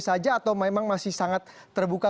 saja atau memang masih sangat terbuka